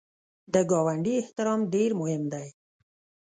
د ګاونډي احترام ډېر مهم دی